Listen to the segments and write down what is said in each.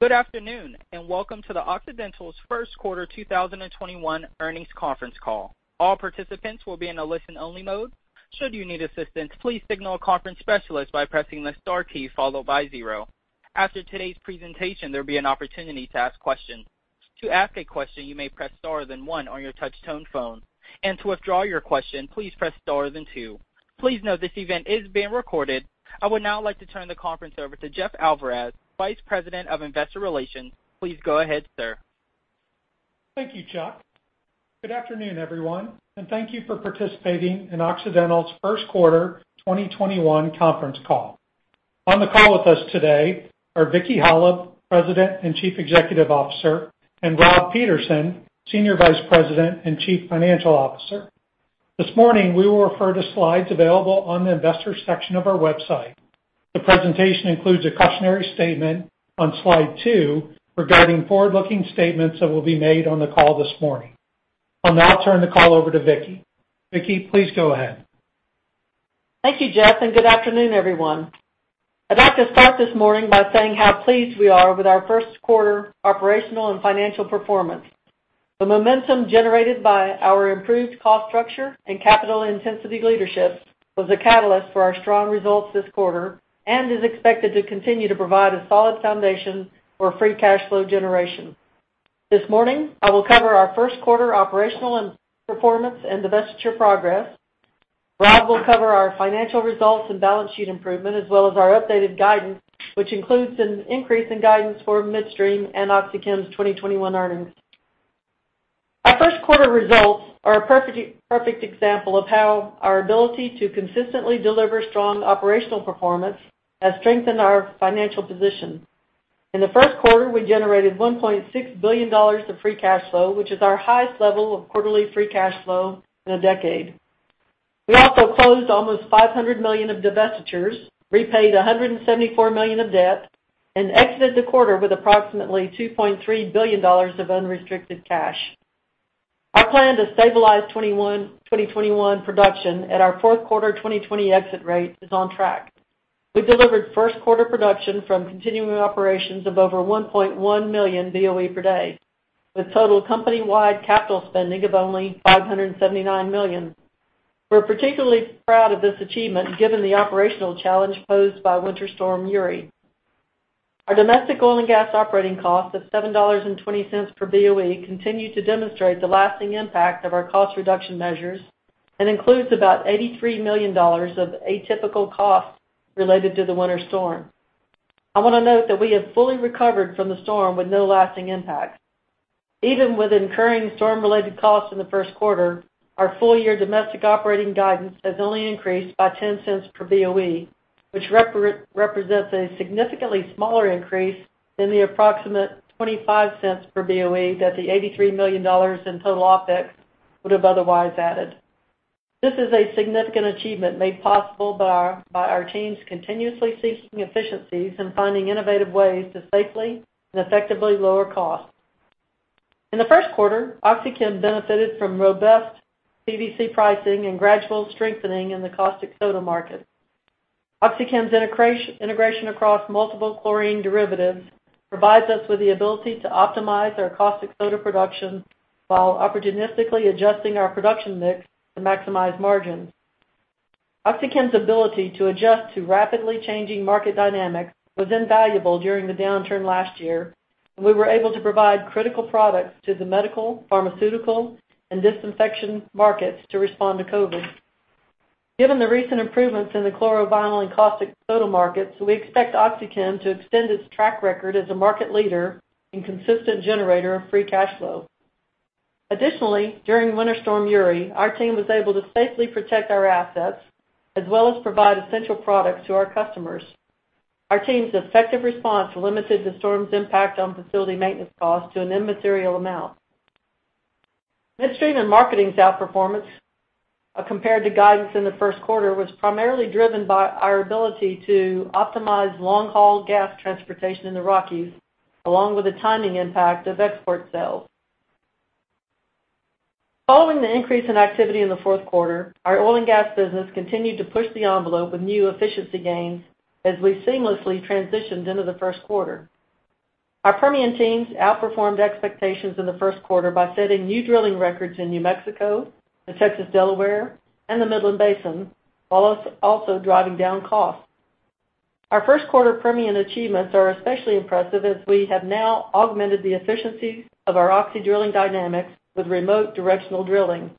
Good afternoon, welcome to the Occidental's first quarter 2021 earnings conference call. All participants will be in a listen-only mode. Should you need assistance, please signal a conference specialist by pressing the star key followed by zero. After today's presentation, there'll be an opportunity to ask questions. To ask a question, you may press star then one on your touch tone phone, and to withdraw your question, please press star then two. Please note this event is being recorded. I would now like to turn the conference over to Jeff Alvarez, Vice President of Investor Relations. Please go ahead, sir. Thank you, Chuck. Good afternoon, everyone, and thank you for participating in Occidental's first quarter 2021 conference call. On the call with us today are Vicki Hollub, President and Chief Executive Officer, and Rob Peterson, Senior Vice President and Chief Financial Officer. This morning, we will refer to slides available on the investors section of our website. The presentation includes a cautionary statement on slide two regarding forward-looking statements that will be made on the call this morning. I'll now turn the call over to Vicki. Vicki, please go ahead. Thank you, Jeff, and good afternoon, everyone. I'd like to start this morning by saying how pleased we are with our first quarter operational and financial performance. The momentum generated by our improved cost structure and capital intensity leadership was a catalyst for our strong results this quarter and is expected to continue to provide a solid foundation for free cash flow generation. This morning, I will cover our first quarter operational and performance and divestiture progress. Rob will cover our financial results and balance sheet improvement, as well as our updated guidance, which includes an increase in guidance for midstream and OxyChem's 2021 earnings. Our first quarter results are a perfect example of how our ability to consistently deliver strong operational performance has strengthened our financial position. In the first quarter, we generated $1.6 billion of free cash flow, which is our highest level of quarterly free cash flow in a decade. We also closed almost $500 million of divestitures, repaid $174 million of debt, and exited the quarter with approximately $2.3 billion of unrestricted cash. Our plan to stabilize 2021 production at our fourth quarter 2020 exit rate is on track. We delivered first quarter production from continuing operations of over 1.1 million BOE per day, with total company-wide capital spending of only $579 million. We're particularly proud of this achievement given the operational challenge posed by Winter Storm Uri. Our domestic oil and gas operating cost of $7.20 per BOE continue to demonstrate the lasting impact of our cost reduction measures and includes about $83 million of atypical costs related to the winter storm. I want to note that we have fully recovered from the storm with no lasting impact. Even with incurring storm-related costs in the first quarter, our full-year domestic operating guidance has only increased by $0.10 per BOE, which represents a significantly smaller increase than the approximate $0.25 per BOE that the $83 million in total OpEx would have otherwise added. This is a significant achievement made possible by our teams continuously seeking efficiencies and finding innovative ways to safely and effectively lower costs. In the first quarter, OxyChem benefited from robust PVC pricing and gradual strengthening in the caustic soda market. OxyChem's integration across multiple chlorine derivatives provides us with the ability to optimize our caustic soda production while opportunistically adjusting our production mix to maximize margins. OxyChem's ability to adjust to rapidly changing market dynamics was invaluable during the downturn last year, and we were able to provide critical products to the medical, pharmaceutical, and disinfection markets to respond to COVID. Given the recent improvements in the chlorovinyls and caustic soda markets, we expect OxyChem to extend its track record as a market leader and consistent generator of free cash flow. Additionally, during Winter Storm Uri, our team was able to safely protect our assets as well as provide essential products to our customers. Our team's effective response limited the storm's impact on facility maintenance costs to an immaterial amount. Midstream and marketing's outperformance compared to guidance in the first quarter was primarily driven by our ability to optimize long-haul gas transportation in the Rockies, along with the timing impact of export sales. Following the increase in activity in the fourth quarter, our oil and gas business continued to push the envelope with new efficiency gains as we seamlessly transitioned into the first quarter. Our Permian teams outperformed expectations in the first quarter by setting new drilling records in New Mexico, the Texas Delaware, and the Midland Basin, while also driving down costs. Our first quarter Permian achievements are especially impressive as we have now augmented the efficiency of our Oxy Drilling Dynamics with remote directional drilling,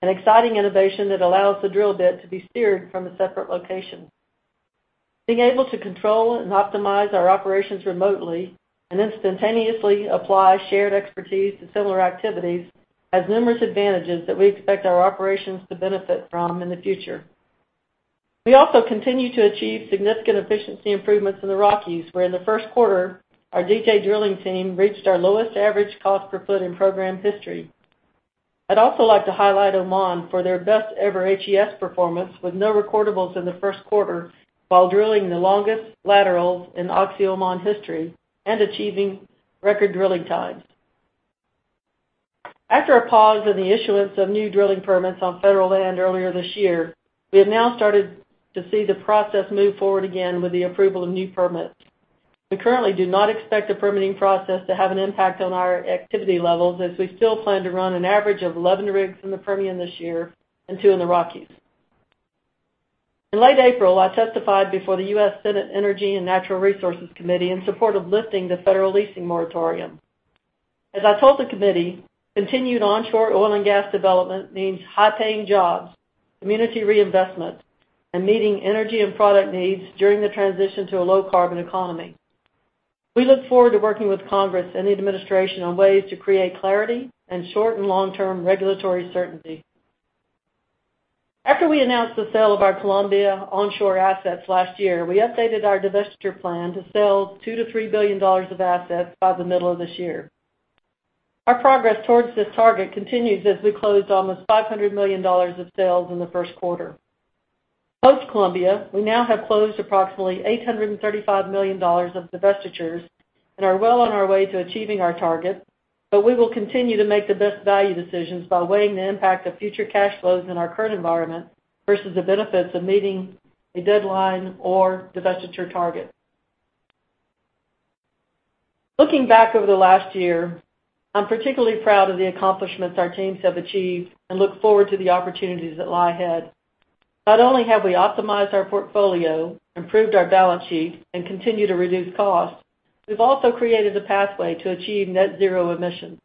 an exciting innovation that allows the drill bit to be steered from a separate location. Being able to control and optimize our operations remotely and instantaneously apply shared expertise to similar activities has numerous advantages that we expect our operations to benefit from in the future. We also continue to achieve significant efficiency improvements in the Rockies, where in the first quarter, our DJ drilling team reached our lowest average cost per foot in program history. I'd also like to highlight Oxy Oman for their best ever HES performance with no recordables in the first quarter while drilling the longest laterals in Oxy Oman history and achieving record drilling times. After a pause in the issuance of new drilling permits on federal land earlier this year, we have now started to see the process move forward again with the approval of new permits. We currently do not expect the permitting process to have an impact on our activity levels, as we still plan to run an average of 11 rigs in the Permian this year and two in the Rockies. In late April, I testified before the U.S. Senate Energy and Natural Resources Committee in support of lifting the federal leasing moratorium. As I told the committee, continued onshore oil and gas development means high-paying jobs, community reinvestment, and meeting energy and product needs during the transition to a low-carbon economy. We look forward to working with Congress and the administration on ways to create clarity and short- and long-term regulatory certainty. After we announced the sale of our Colombia onshore assets last year, we updated our divestiture plan to sell $2 billion-$3 billion of assets by the middle of this year. Our progress towards this target continues as we closed almost $500 million of sales in the first quarter. Post-Colombia, we now have closed approximately $835 million of divestitures and are well on our way to achieving our target. We will continue to make the best value decisions by weighing the impact of future cash flows in our current environment versus the benefits of meeting a deadline or divestiture target. Looking back over the last year, I'm particularly proud of the accomplishments our teams have achieved and look forward to the opportunities that lie ahead. Not only have we optimized our portfolio, improved our balance sheet, and continued to reduce costs, we've also created a pathway to achieve net zero emissions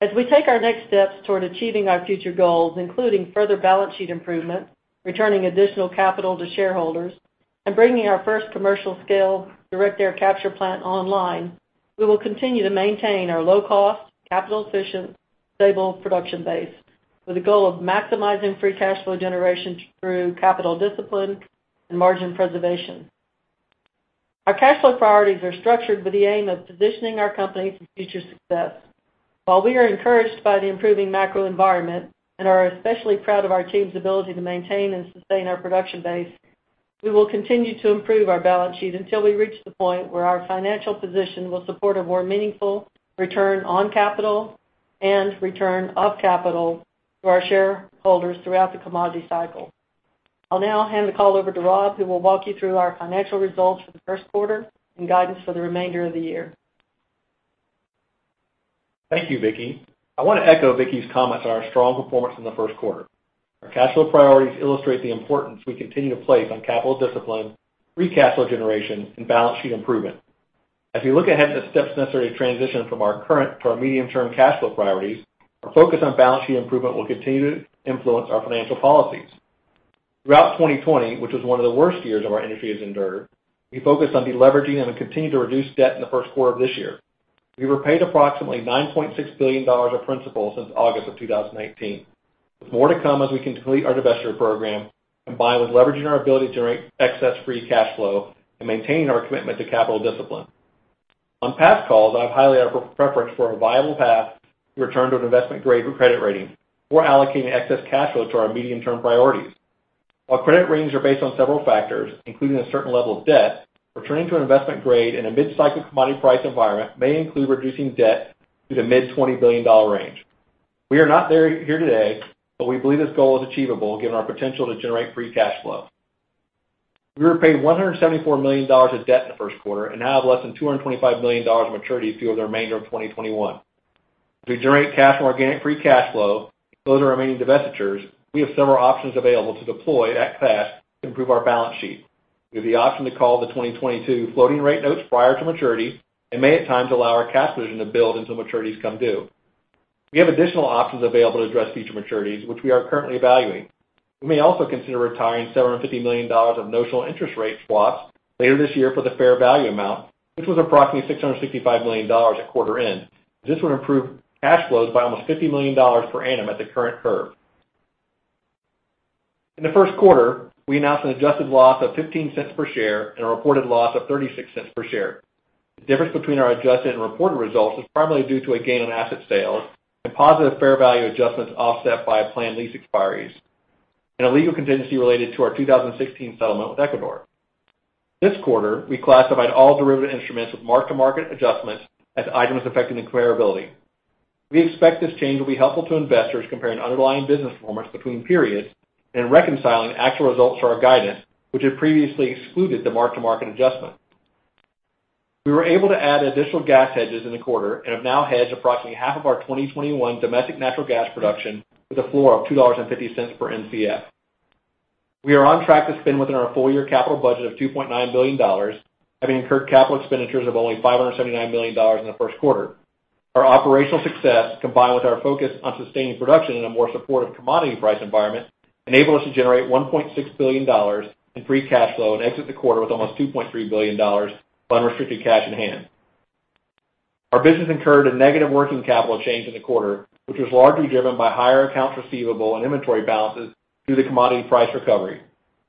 as we take our next steps toward achieving our future goals, including further balance sheet improvement, returning additional capital to shareholders, and bringing our first commercial-scale direct air capture plant online. We will continue to maintain our low-cost, capital-efficient, stable production base with the goal of maximizing free cash flow generation through capital discipline and margin preservation. Our cash flow priorities are structured with the aim of positioning our company for future success. While we are encouraged by the improving macro environment and are especially proud of our team's ability to maintain and sustain our production base, we will continue to improve our balance sheet until we reach the point where our financial position will support a more meaningful return on capital and return of capital to our shareholders throughout the commodity cycle. I'll now hand the call over to Rob, who will walk you through our financial results for the first quarter and guidance for the remainder of the year. Thank you, Vicki. I want to echo Vicki's comments on our strong performance in the first quarter. Our cash flow priorities illustrate the importance we continue to place on capital discipline, free cash flow generation, and balance sheet improvement. As we look ahead at the steps necessary to transition from our current to our medium-term cash flow priorities, our focus on balance sheet improvement will continue to influence our financial policies. Throughout 2020, which was one of the worst years our industry has endured, we focused on de-leveraging and have continued to reduce debt in the first quarter of this year. We repaid approximately $9.6 billion of principal since August of 2019, with more to come as we complete our divestiture program, combined with leveraging our ability to generate excess free cash flow and maintaining our commitment to capital discipline. On past calls, I have highlighted our preference for a viable path to return to an investment-grade credit rating before allocating excess cash flow to our medium-term priorities. While credit ratings are based on several factors, including a certain level of debt, returning to an investment-grade in a mid-cycle commodity price environment may include reducing debt to the mid $20 billion range. We are not there today, but we believe this goal is achievable given our potential to generate free cash flow. We repaid $174 million of debt in the first quarter and now have less than $225 million of maturities due over the remainder of 2021. As we generate cash from organic free cash flow and close our remaining divestitures, we have several options available to deploy that cash to improve our balance sheet. We have the option to call the 2022 floating rate notes prior to maturity and may at times allow our cash position to build until maturities come due. We have additional options available to address future maturities, which we are currently evaluating. We may also consider retiring $750 million of notional interest rate swaps later this year for the fair value amount, which was approximately $665 million at quarter end, as this would improve cash flows by almost $50 million per annum at the current curve. In the first quarter, we announced an adjusted loss of $0.15 per share and a reported loss of $0.36 per share. The difference between our adjusted and reported results was primarily due to a gain on asset sales and positive fair value adjustments offset by planned lease expiries and a legal contingency related to our 2016 settlement with Ecuador. This quarter, we classified all derivative instruments with mark-to-market adjustments as items affecting the comparability. We expect this change will be helpful to investors comparing underlying business performance between periods and reconciling actual results to our guidance, which had previously excluded the mark-to-market adjustment. We were able to add additional gas hedges in the quarter and have now hedged approximately half of our 2021 domestic natural gas production with a floor of $2.50 per Mcf. We are on track to spend within our full-year capital budget of $2.9 billion, having incurred capital expenditures of only $579 million in the first quarter. Our operational success, combined with our focus on sustaining production in a more supportive commodity price environment, enabled us to generate $1.6 billion in free cash flow and exit the quarter with almost $2.3 billion of unrestricted cash on hand. Our business incurred a negative working capital change in the quarter, which was largely driven by higher accounts receivable and inventory balances due to commodity price recovery.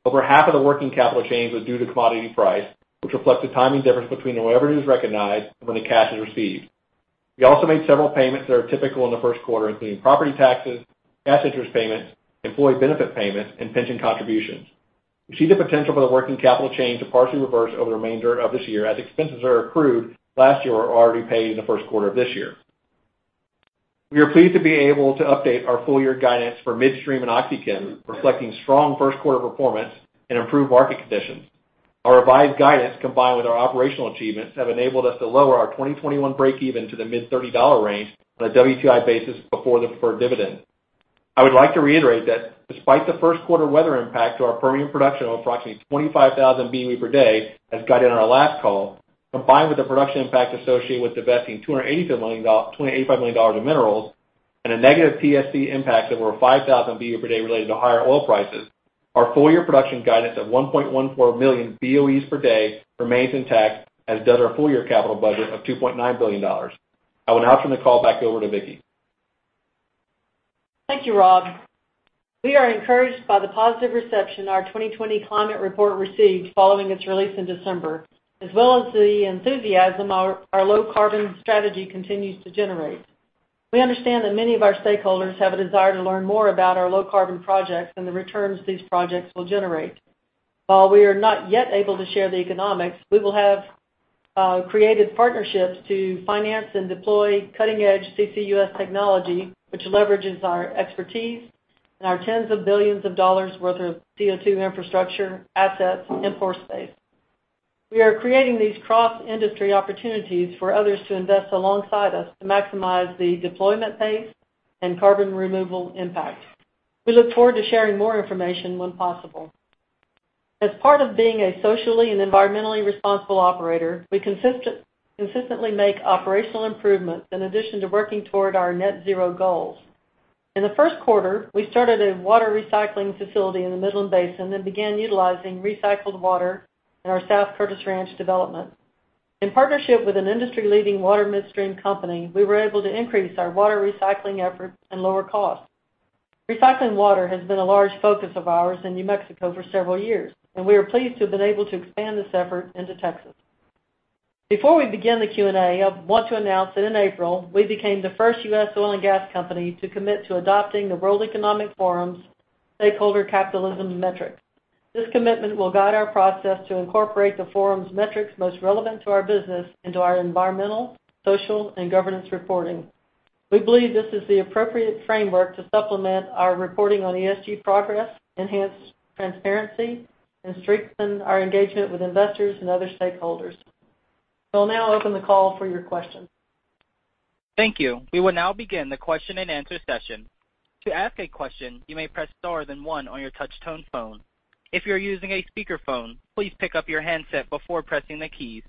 Over half of the working capital change was due to commodity price, which reflects the timing difference between when revenue is recognized and when the cash is received. We also made several payments that are typical in the first quarter, including property taxes, cash interest payments, employee benefit payments, and pension contributions. We see the potential for the working capital change to partially reverse over the remainder of this year as expenses are accrued last year are already paid in the first quarter of this year. We are pleased to be able to update our full-year guidance for midstream and OxyChem, reflecting strong first quarter performance and improved market conditions. Our revised guidance, combined with our operational achievements, have enabled us to lower our 2021 breakeven to the mid-$30 range on a WTI basis before the preferred dividend. I would like to reiterate that despite the first quarter weather impact to our permian production of approximately 25,000 BOE per day, as guided on our last call, combined with the production impact associated with divesting $285 million in minerals and a negative PSC impact of over 5,000 BOE per day related to higher oil prices, our full-year production guidance of 1.14 million BOEs per day remains intact, as does our full-year capital budget of $2.9 billion. I will now turn the call back over to Vicki. Thank you, Rob. We are encouraged by the positive reception our 2020 climate report received following its release in December, as well as the enthusiasm our low-carbon strategy continues to generate. We understand that many of our stakeholders have a desire to learn more about our low-carbon projects and the returns these projects will generate. While we are not yet able to share the economics, we will have created partnerships to finance and deploy cutting-edge CCUS technology, which leverages our expertise and our tens of billions of dollars’ worth of CO2 infrastructure, assets, and pore space. We are creating these cross-industry opportunities for others to invest alongside us to maximize the deployment pace and carbon removal impact. We look forward to sharing more information when possible. As part of being a socially and environmentally responsible operator, we consistently make operational improvements in addition to working toward our net zero goals. In the first quarter, we started a water recycling facility in the Midland Basin and began utilizing recycled water in our South Curtis Ranch development. In partnership with an industry-leading water midstream company, we were able to increase our water recycling efforts and lower costs. Recycling water has been a large focus of ours in New Mexico for several years, and we are pleased to have been able to expand this effort into Texas. Before we begin the Q&A, I want to announce that in April, we became the first U.S. oil and gas company to commit to adopting the World Economic Forum's Stakeholder Capitalism Metric. This commitment will guide our process to incorporate the forum's metrics most relevant to our business into our environmental, social, and governance reporting. We believe this is the appropriate framework to supplement our reporting on ESG progress, enhance transparency, and strengthen our engagement with investors and other stakeholders. We'll now open the call for your questions. Thank you. We will now begin the question-and-answer session. To ask a question you may press star then one on your touch tone phone. If your using a speaker phone please pick up your handset before pressing the keys.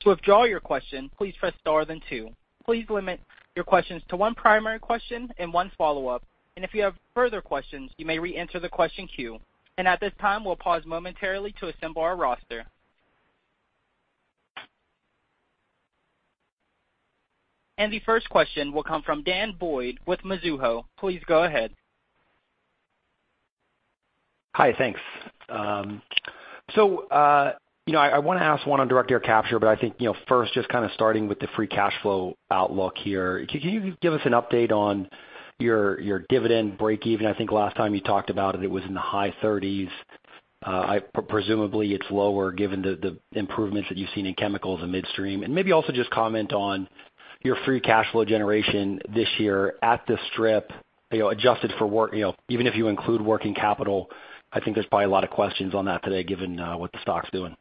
To withdrawal your question please press star then two. Please limit your questions to one primary question and one follow up, and if you have further question you may re enter the question queue. At this time we will pause momentarily to assemble our roster. The first question will come from Dan Boyd with Mizuho. Please go ahead. Hi. Thanks. I want to ask one on direct air capture, but I think first just kind of starting with the free cash flow outlook here. Can you give us an update on your dividend breakeven? I think last time you talked about it was in the high 30s. Presumably, it's lower given the improvements that you've seen in chemicals and midstream. Maybe also just comment on your free cash flow generation this year at the strip, even if you include working capital. I think there's probably a lot of questions on that today given what the stock's doing.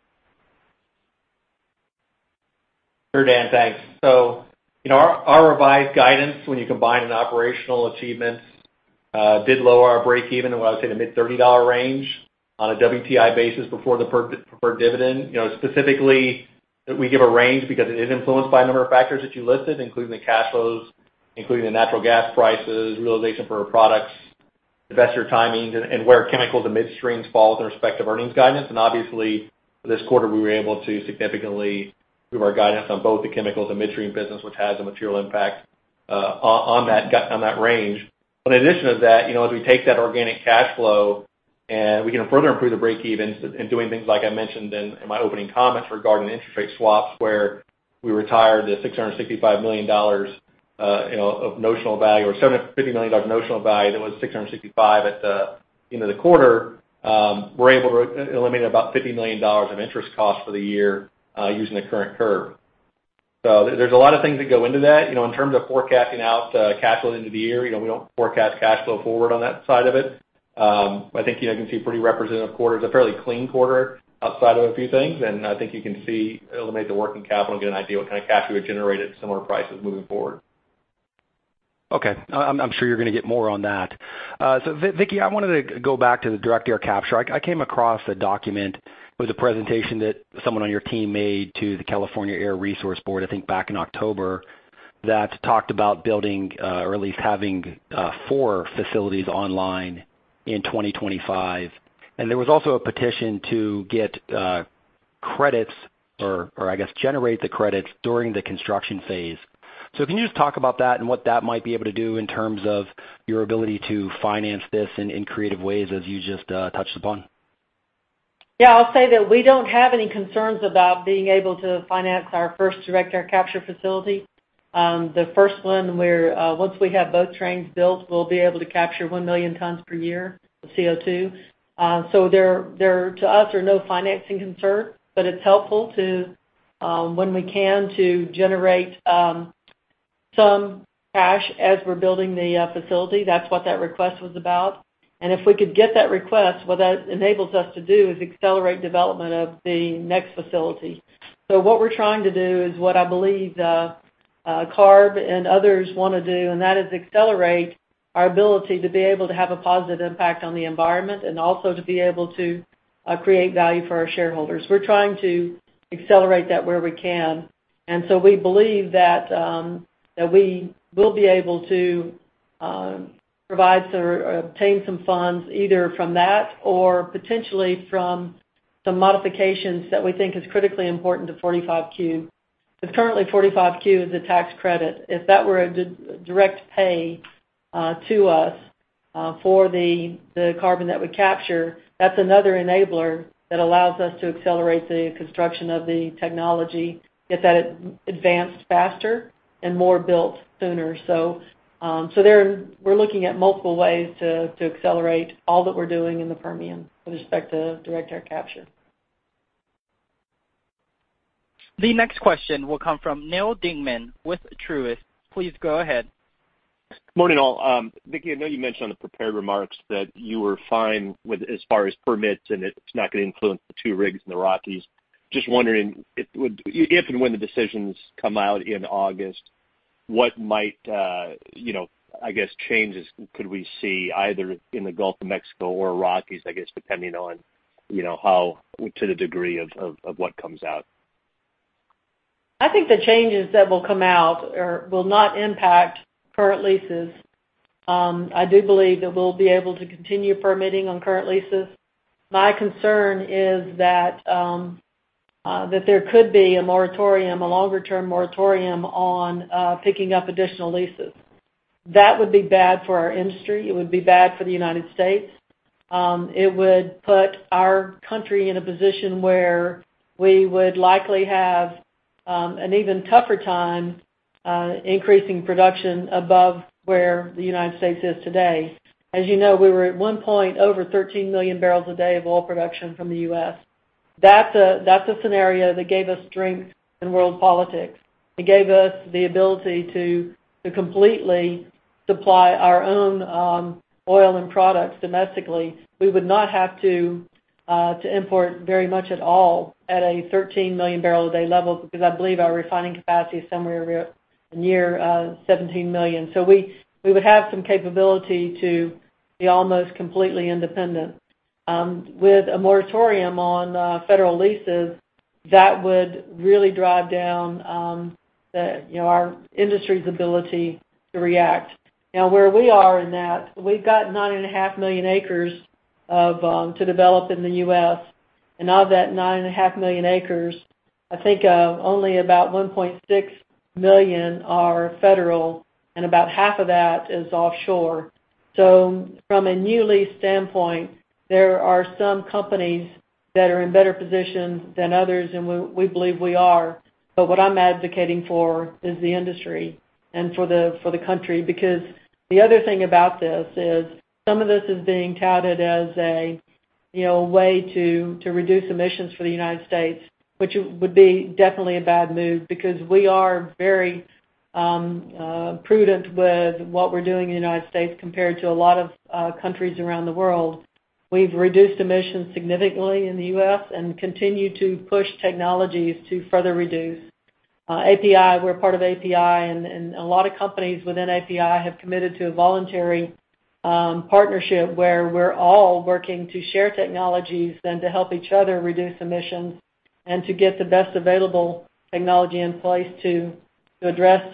Sure, Dan. Thanks. Our revised guidance, when you combine in operational achievements, did lower our breakeven to what I would say the mid $30 range on a WTI basis before the preferred dividend. Specifically, we give a range because it is influenced by a number of factors that you listed, including the cash flows, including the natural gas prices, realization for our products, investor timings, and where chemicals and midstreams fall with respect to earnings guidance. Obviously, this quarter, we were able to significantly move our guidance on both the chemicals and midstream business, which has a material impact on that range. In addition to that, as we take that organic cash flow and we can further improve the breakevens in doing things like I mentioned in my opening comments regarding interest rate swaps, where we retired the $665 million of notional value or $750 million of notional value that was $665 at the end of the quarter. We're able to eliminate about $50 million of interest costs for the year using the current curve. There's a lot of things that go into that. In terms of forecasting out cash flow into the year, we don't forecast cash flow forward on that side of it. I think you can see a pretty representative quarter. It's a fairly clean quarter outside of a few things, and I think you can see, eliminate the working capital and get an idea what kind of cash flow we would generate at similar prices moving forward. Okay. I'm sure you're going to get more on that. Vicki, I wanted to go back to the direct air capture. I came across a document with a presentation that someone on your team made to the California Air Resources Board, I think back in October, that talked about building or at least having four facilities online in 2025. There was also a petition to get credits or I guess generate the credits during the construction phase. Can you just talk about that and what that might be able to do in terms of your ability to finance this in creative ways as you just touched upon? Yeah, I'll say that we don't have any concerns about being able to finance our first direct air capture facility. The first one where, once we have both trains built, we'll be able to capture 1 million tons per year of CO2. There, to us, are no financing concerns, but it's helpful to, when we can, to generate some cash as we're building the facility. That's what that request was about. If we could get that request, what that enables us to do is accelerate development of the next facility. What we're trying to do is what I believe CARB and others want to do, and that is accelerate our ability to be able to have a positive impact on the environment and also to be able to create value for our shareholders. We're trying to accelerate that where we can. We believe that we will be able to provide or obtain some funds either from that or potentially from some modifications that we think is critically important to 45Q, because currently 45Q is a tax credit. If that were a direct pay to us for the carbon that we capture, that's another enabler that allows us to accelerate the construction of the technology, get that advanced faster and more built sooner. There, we're looking at multiple ways to accelerate all that we're doing in the Permian with respect to direct air capture. The next question will come from Neil Dingmann with Truist. Please go ahead. Morning, all. Vicki, I know you mentioned on the prepared remarks that you were fine as far as permits, and it's not going to include the two rigs in the Rockies. Just wondering, if and when the decisions come out in August, what might changes could we see either in the Gulf of Mexico or Rockies, I guess, depending on how to the degree of what comes out? I think the changes that will come out will not impact current leases. I do believe that we'll be able to continue permitting on current leases. My concern is that there could be a moratorium, a longer-term moratorium on picking up additional leases. That would be bad for our industry. It would be bad for the United States. It would put our country in a position where we would likely have an even tougher time increasing production above where the United States is today. As you know, we were at one point over 13 million bbl a day of oil production from the U.S. That's a scenario that gave us strength in world politics. It gave us the ability to completely supply our own oil and products domestically. We would not have to import very much at all at a 13-million-bbl-a-day level because I believe our refining capacity is somewhere near 17 million. We would have some capability to be almost completely independent. With a moratorium on federal leases, that would really drive down our industry's ability to react. Where we are in that, we've got 9.5 million acres to develop in the U.S., and of that 9.5 million acres, I think only about 1.6 million are federal, and about 1/2 of that is offshore. From a new lease standpoint, there are some companies that are in better positions than others, and we believe we are. What I'm advocating for is the industry and for the country. The other thing about this is some of this is being touted as a way to reduce emissions for the United States, which would be definitely a bad move because we are very prudent with what we're doing in the United States compared to a lot of countries around the world. We've reduced emissions significantly in the U.S. and continue to push technologies to further reduce. API, we're part of API, and a lot of companies within API have committed to a voluntary partnership where we're all working to share technologies and to help each other reduce emissions and to get the best available technology in place to address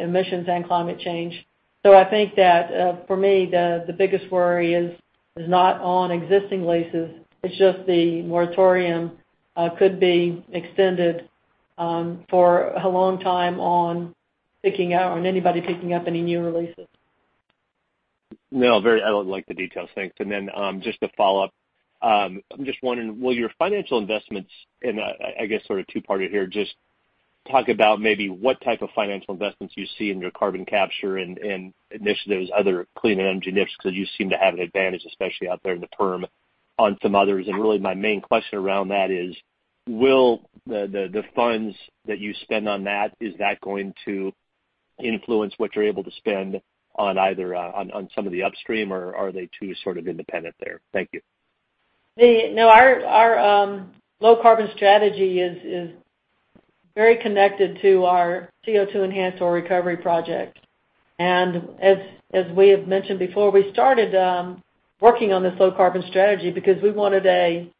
emissions and climate change. I think that for me, the biggest worry is not on existing leases. It's just the moratorium could be extended for a long time on anybody picking up any new releases. No, I like the details. Thanks. Then just to follow up, I'm just wondering, will your financial investments, and I guess sort of two-part it here, just talk about maybe what type of financial investments you see in your carbon capture and initiatives, other clean energy initiatives, because you seem to have an advantage, especially out there in the Perm, on some others? Really my main question around that is, will the funds that you spend on that, is that going to influence what you're able to spend on some of the upstream, or are they too sort of independent there? Thank you. No, our low-carbon strategy is very connected to our CO2 enhanced oil recovery project. As we have mentioned before, we started working on this low-carbon strategy because we wanted a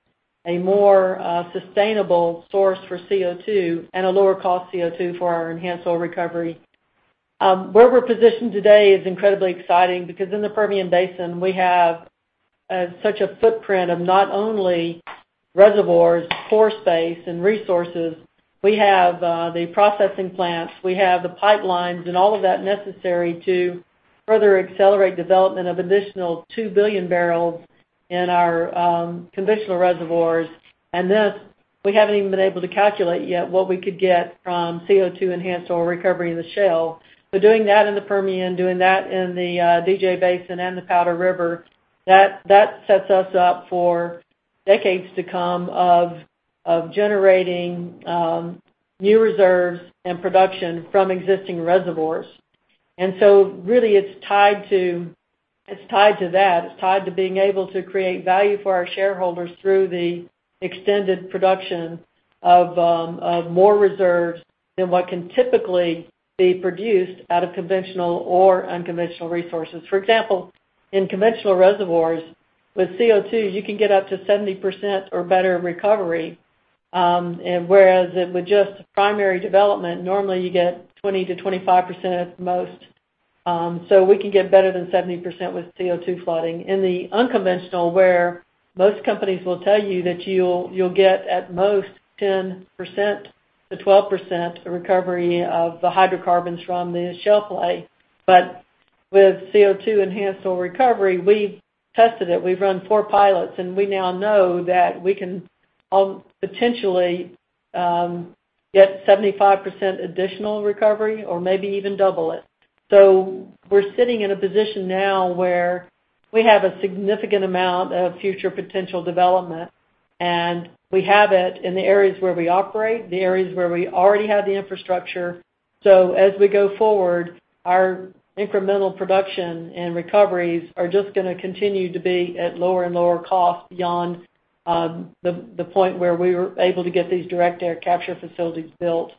more sustainable source for CO2 and a lower cost CO2 for our enhanced oil recovery. Where we're positioned today is incredibly exciting because in the Permian Basin, we have such a footprint of not only reservoirs, pore space, and resources, we have the processing plants, we have the pipelines, and all of that necessary to further accelerate development of additional 2 billion bbl in our conventional reservoirs. This, we haven't even been able to calculate yet what we could get from CO2 enhanced oil recovery in the shale. Doing that in the Permian, doing that in the DJ Basin and the Powder River, that sets us up for decades to come of generating new reserves and production from existing reservoirs. Really, it's tied to that. It's tied to being able to create value for our shareholders through the extended production of more reserves than what can typically be produced out of conventional or unconventional resources. For example, in conventional reservoirs with CO2, you can get up to 70% or better recovery, whereas with just primary development, normally you get 20%-25% at the most. We can get better than 70% with CO2 flooding. In the unconventional, where most companies will tell you that you'll get at most 10%-12% recovery of the hydrocarbons from the shale play. With CO2 enhanced oil recovery, we've tested it. We've run four pilots. We now know that we can potentially get 75% additional recovery or maybe even double it. We're sitting in a position now where we have a significant amount of future potential development, and we have it in the areas where we operate, the areas where we already have the infrastructure. As we go forward, our incremental production and recoveries are just going to continue to be at lower and lower cost beyond the point where we were able to get these direct air capture facilities built.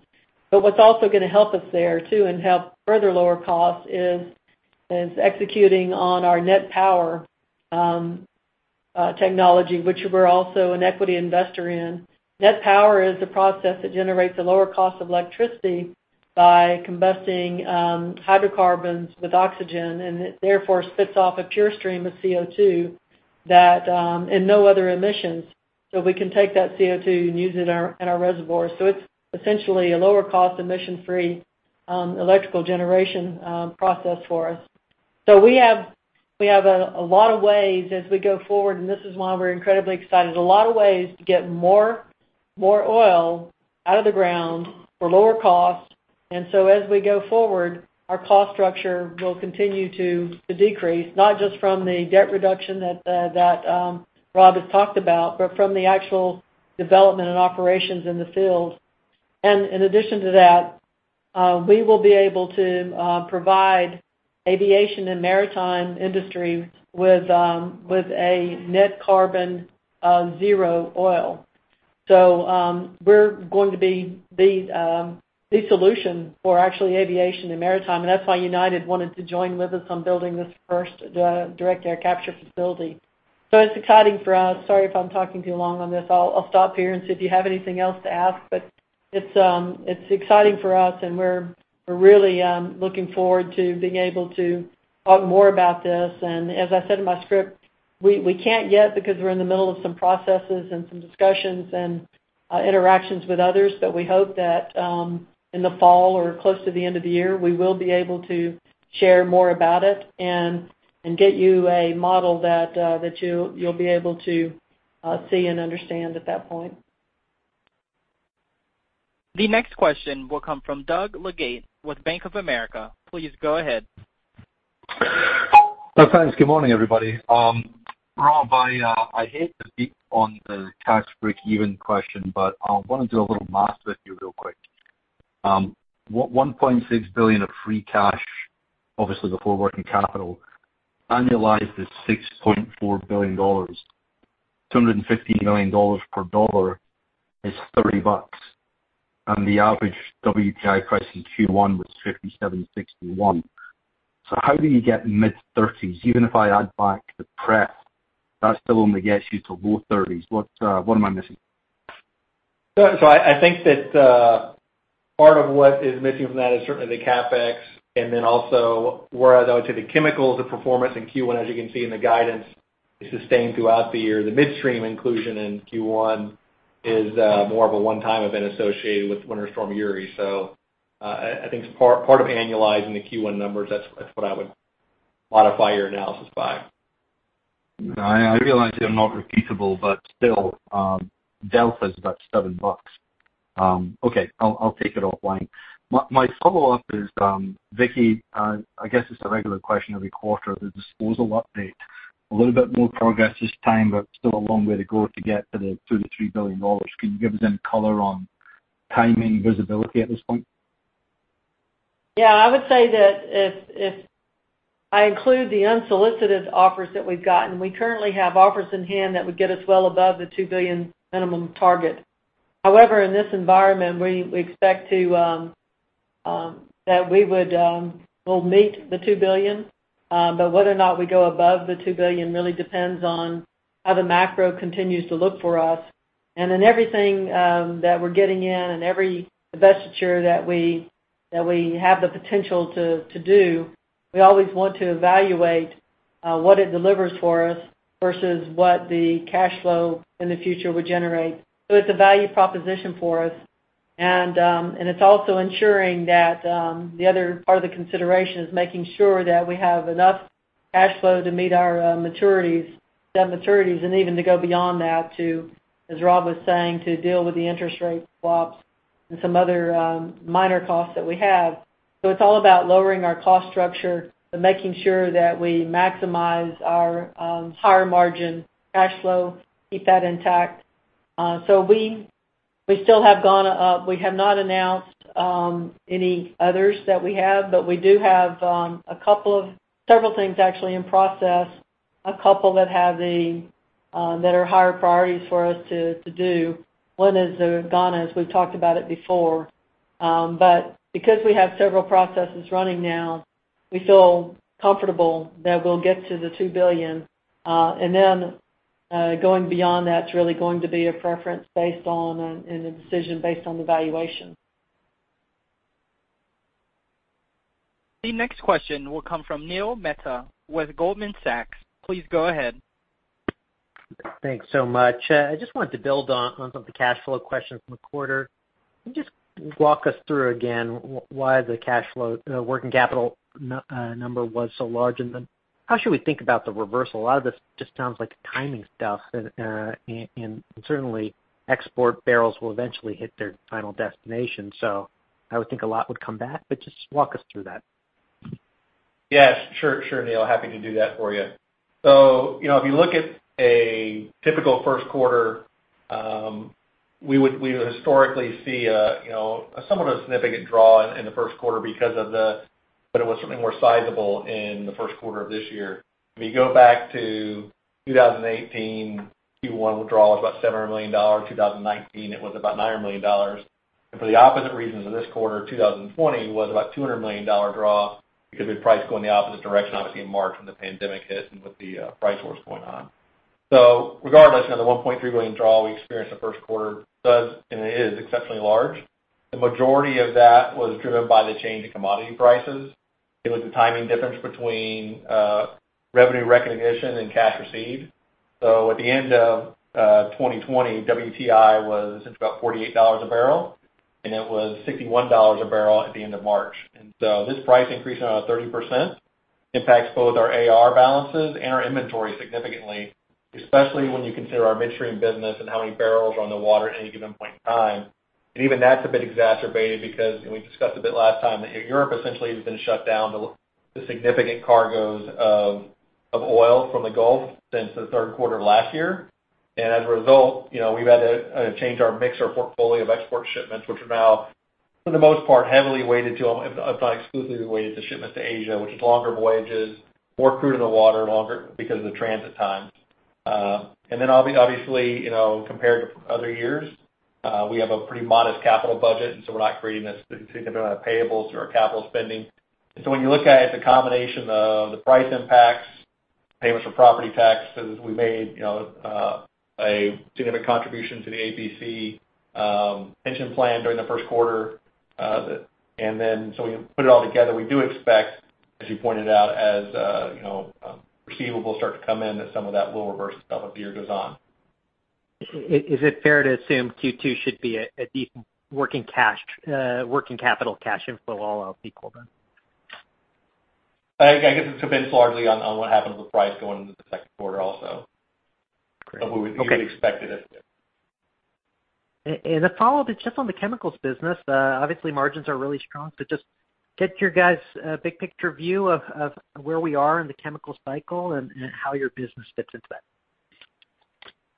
What's also going to help us there too, and help further lower costs is executing on our NET Power technology, which we're also an equity investor in. NET Power is a process that generates a lower cost of electricity by combusting hydrocarbons with oxygen, and it therefore spits off a pure stream of CO2 and no other emissions. We can take that CO2 and use it in our reservoirs. It's essentially a lower cost, emission-free electrical generation process for us. We have a lot of ways as we go forward, and this is why we're incredibly excited, a lot of ways to get more oil out of the ground for lower cost. As we go forward, our cost structure will continue to decrease, not just from the debt reduction that Rob has talked about, but from the actual development and operations in the field. In addition to that, we will be able to provide aviation and maritime industry with a net carbon zero oil. We're going to be the solution for actually aviation and maritime, and that's why United wanted to join with us on building this first direct air capture facility. It's exciting for us. Sorry if I'm talking too long on this. I'll stop here and see if you have anything else to ask, but it's exciting for us, and we're really looking forward to being able to talk more about this. As I said in my script, we can't yet because we're in the middle of some processes and some discussions and interactions with others. We hope that in the fall or close to the end of the year, we will be able to share more about it and get you a model that you'll be able to see and understand at that point. The next question will come from Doug Leggate with Bank of America. Please go ahead. Thanks. Good morning, everybody. Rob, I hate to beat on the tax breakeven question, but I want to do a little math with you real quick. $1.6 billion of free cash, obviously before working capital, annualized is $6.4 billion. $250 million per dollar is $30. The average WTI price in Q1 was $57.61. How do you get mid-30s? Even if I add back the pref, that still only gets you to low 30s. What am I missing? I think that part of what is missing from that is certainly the CapEx and then also whereas I would say the chemicals, the performance in Q1, as you can see in the guidance, is sustained throughout the year. The midstream inclusion in Q1 is more of a one-time event associated with Winter Storm Uri. I think part of annualizing the Q1 numbers, that's what I would modify your analysis by. I realize they're not repeatable, but still, delta's about $7 bucks. Okay, I'll take it offline. My follow-up is, Vicki, I guess it's a regular question every quarter, the disposal update. A little bit more progress this time, but still a long way to go to get to the $2 billion-$3 billion. Can you give us any color on timing visibility at this point? Yeah, I would say that if I include the unsolicited offers that we've gotten, we currently have offers in hand that would get us well above the $2 billion minimum target. However, in this environment, we expect that we'll meet the $2 billion. Whether or not we go above the $2 billion really depends on how the macro continues to look for us. In everything that we're getting in and every divestiture that we have the potential to do, we always want to evaluate what it delivers for us versus what the cash flow in the future would generate. It's a value proposition for us. And it's also ensuring that the other part of the consideration is making sure that we have enough cash flow to meet our maturities, debt maturities, and even to go beyond that to, as Rob was saying, to deal with the interest rate swaps and some other minor costs that we have. It's all about lowering our cost structure and making sure that we maximize our higher margin cash flow, keep that intact. We have not announced any others that we have, but we do have several things actually in process, a couple that are higher priorities for us to do. One is the Ghana, as we've talked about it before. Because we have several processes running now, we feel comfortable that we'll get to the $2 billion. Going beyond that is really going to be a preference based on a decision based on the valuation. The next question will come from Neil Mehta with Goldman Sachs. Please go ahead. Thanks so much. I just wanted to build on some of the cash flow questions from the quarter. Can you just walk us through again why the working capital number was so large? How should we think about the reversal? A lot of this just sounds like timing stuff, and certainly export barrels will eventually hit their final destination. I would think a lot would come back, but just walk us through that. Yes. Sure, Neil. Happy to do that for you. If you look at a typical first quarter, we would historically see somewhat of a significant draw in the first quarter. It was certainly more sizable in the first quarter of this year. If you go back to 2018, Q1 withdrawal was about $700 million. 2019, it was about $900 million. For the opposite reasons of this quarter, 2020 was about $200 million draw because of the price going the opposite direction obviously in March when the pandemic hit and with the price wars going on. Regardless, the $1.3 billion draw we experienced in the first quarter does, and it is exceptionally large. The majority of that was driven by the change in commodity prices. It was a timing difference between revenue recognition and cash received. At the end of 2020, WTI was about $48 a barrel, and it was $61 a barrel at the end of March. This price increase of 30% impacts both our AR balances and our inventory significantly, especially when you consider our midstream business and how many barrels are on the water at any given point in time. Even that's a bit exacerbated because, and we discussed a bit last time, that Europe essentially has been shut down to significant cargos of oil from the Gulf since the third quarter last year. As a result, we've had to change our mix or portfolio of export shipments, which are now, for the most part, heavily weighted to, if not exclusively weighted to shipments to Asia, which is longer voyages, more crude on the water because of the transit times. Obviously, compared to other years, we have a pretty modest capital budget, and so we're not creating a significant amount of payables through our capital spending. When you look at it's a combination of the price impacts, payments for property taxes. We made a significant contribution to the APC pension plan during the first quarter. When you put it all together, we do expect, as you pointed out, as receivables start to come in, that some of that will reverse itself as the year goes on. Is it fair to assume Q2 should be a decent working capital cash inflow all else equal then? I guess it depends largely on what happens with price going into the second quarter also. Great. Okay. We expected it. A follow up just on the chemicals business. Obviously, margins are really strong. Just get your guys' big picture view of where we are in the chemical cycle and how your business fits into that.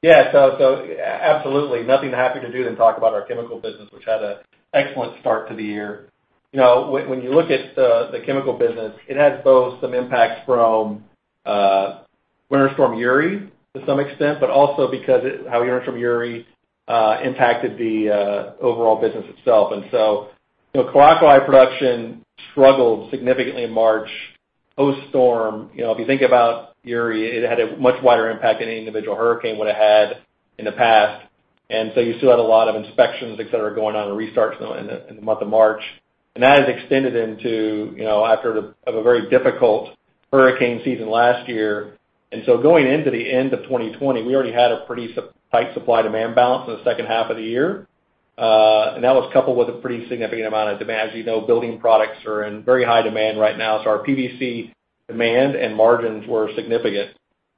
Absolutely nothing I'm happy to do than talk about our OxyChem business, which had an excellent start to the year. When you look at the OxyChem business, it had both some impact from Winter Storm Uri to some extent, but also because of how Winter Storm Uri impacted the overall business itself. The chlorovinyls production struggled significantly in March post-storm. If you think about Uri, it had a much wider impact than any individual hurricane would've had in the past. You still had a lot of inspections, et cetera, going on and restarts in the month of March. That has extended into after a very difficult hurricane season last year. Going into the end of 2020, we already had a pretty tight supply-demand balance in the second half of the year. That was coupled with a pretty significant amount of demand. As you know, building products are in very high demand right now. Our PVC demand and margins were significant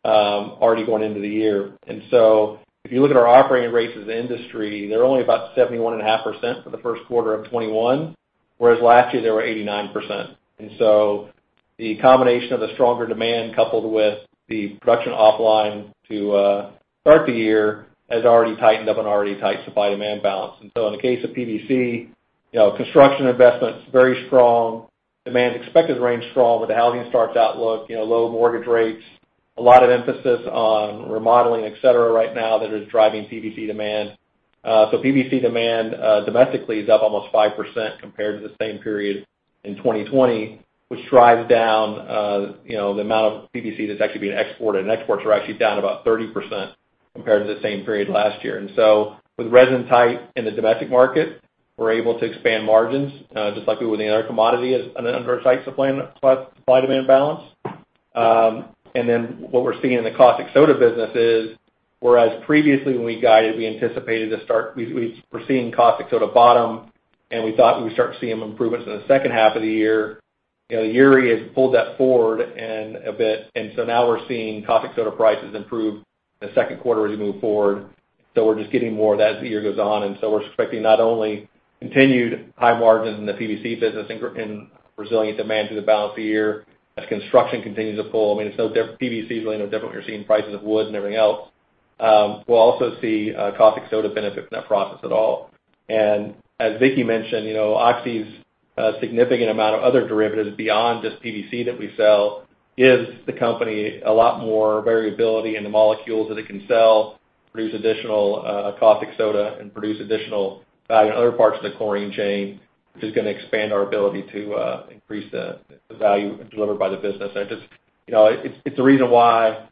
already going into the year. If you look at our operating rates as an industry, they're only about 71.5% for the first quarter of 2021, whereas last year, they were 89%. The combination of the stronger demand coupled with the production offline to start the year has already tightened up an already tight supply-demand balance. In the case of PVC, construction investment's very strong. Demand is expected to remain strong with the housing start outlook, low mortgage rates, a lot of emphasis on remodeling, et cetera, right now that is driving PVC demand. PVC demand domestically is up almost 5% compared to the same period in 2020, which drives down the amount of PVC that's actually being exported. Exports are actually down about 30% compared to the same period last year. With resin tight in the domestic market, we're able to expand margins, just like we would any other commodity in an under tight supply-demand balance. What we're seeing in the caustic soda business is, whereas previously when we guided, We're seeing caustic soda bottom, and we thought we'd start to see improvements in the second half of the year. Uri has pulled that forward a bit. Now we're seeing caustic soda prices improve in the second quarter as we move forward. We're just getting more of that as the year goes on. We're expecting not only continued high margins in the PVC business and resilient demand through the balance of the year as construction continues to pull. I mean, it's no different. PVC is really no different when you're seeing prices of wood and everything else. We'll also see caustic soda benefit from that process at all. As Vicki mentioned, Oxy's significant amount of other derivatives beyond just PVC that we sell gives the company a lot more variability in the molecules that it can sell, produce additional caustic soda, and produce additional value in other parts of the chlorine chain, which is going to expand our ability to increase the value delivered by the business. It's a reason why